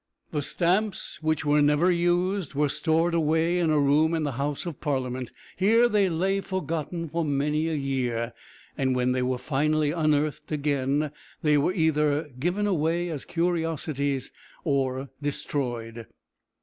The stamps which were never used were stored away in a room in the House of Parliament. Here they lay forgotten for many a year, and when they were finally unearthed again, they were either given away as curiosities or destroyed.